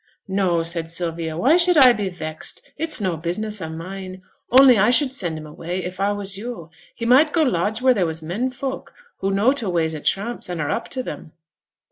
'No!' said Sylvia. 'Why should I be vexed? it's no business o' mine. Only I should send him away if I was yo'. He might go lodge wheere there was men folk, who know t' ways o' tramps, and are up to them.'